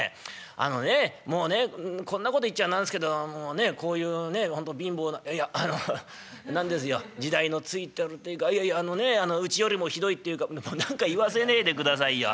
あのねもうねこんなこと言っちゃ何すけどもうねこういうねほんと貧乏ないやあの何ですよ時代のついてるって言うかいやいやあのねうちよりもひどいって言うかもう何か言わせねえでくださいよ。